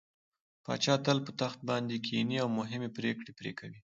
پاچا تل په تخت باندې کيني او مهمې پرېکړې پرې کوي.